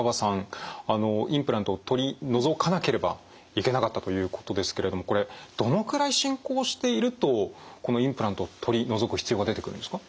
あのインプラントを取り除かなければいけなかったということですけれどもこれどのくらい進行しているとこのインプラント取り除く必要が出てくるんですか？